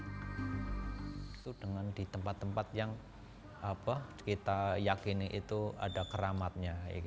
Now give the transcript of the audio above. itu dengan di tempat tempat yang kita yakini itu ada keramatnya